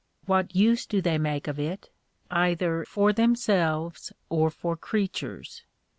What use do they make of it, either for themselves or for crea tures?